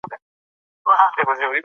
منی د افغانانو د تفریح یوه وسیله ده.